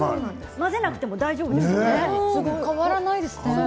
混ぜなくても大丈夫ですよね。